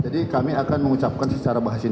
dalam percara ini